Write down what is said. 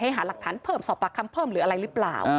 หาหลักฐานเพิ่มสอบปากคำเพิ่มหรืออะไรหรือเปล่า